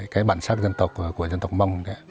cái bản sắc dân tộc của dân tộc mông ạ